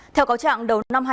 theo cáo trạng đầu năm hai nghìn